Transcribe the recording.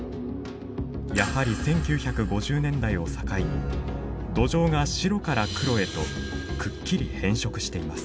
やはり１９５０年代を境に土壌が白から黒へとくっきり変色しています。